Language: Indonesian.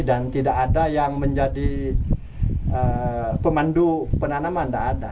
dan tidak ada yang menjadi pemandu penanaman tidak ada